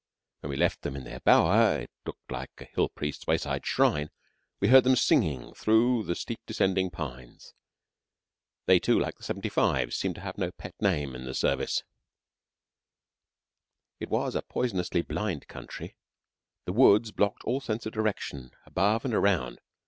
When we left them in their bower it looked like a Hill priest's wayside shrine we heard them singing through the steep descending pines. They, too, like the 75's, seem to have no pet name in the service. It was a poisonously blind country. The woods blocked all sense of direction above and around.